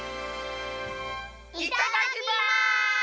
いただきます！